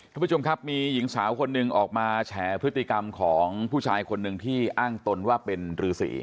ท่านผู้ชมครับมีหญิงสาวคนหนึ่งออกมาแฉพฤติกรรมของผู้ชายคนหนึ่งที่อ้างตนว่าเป็นรือสี